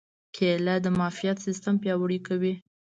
کېله د معافیت سیستم پیاوړی کوي.